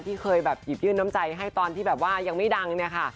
ที่เคยแบบหยิบยื่นน้ำใจให้ตอนที่แบบว่ายังไม่ดังเนี่ยค่ะ